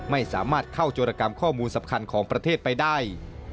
ไม่สามารถเข้าโจรกรรมข้อมูลสำคัญของประเทศไปได้